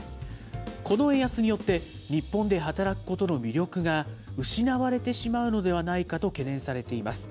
この円安によって、日本で働くことの魅力が失われてしまうのではないかと懸念されています。